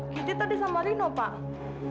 katie tadi sama rino pak